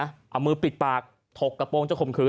เอามือปิดปากถกกระโปรงจะข่มขืน